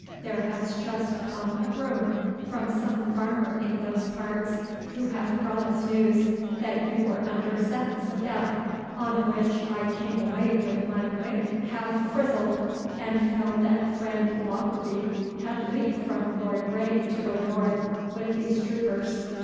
There has just come a groom from some farmer in those parts who hath brought us news that you were under sentence of death, on which I came away with my wig half frizzled, and found that friend Lockarby had leave from Lord Grey to go north with these troopers.